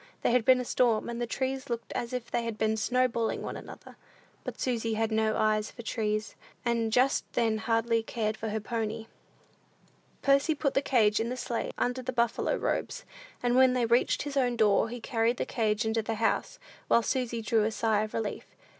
There had been a storm, and the trees looked as if they had been snowballing one another; but Susy had no eye for trees, and just then hardly cared for her pony. Percy put the cage in the sleigh, under the buffalo robes; and when they reached his own door, he carried the cage into the house, while Susy drew a sigh of relief.